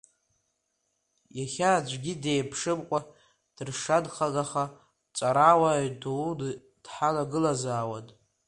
Иахьа аӡәгьы диеиԥшымкәа, дыршанхагаха дҵарауаҩ дуны дҳалагылазаауан.